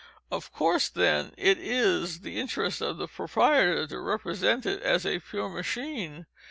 Of course, then, it is the interest of the proprietor to represent it as a pure machine.